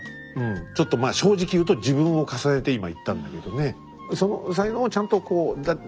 ちょっとまあ正直言うと自分を重ねて今言ったんだけどね。